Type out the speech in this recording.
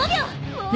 もう！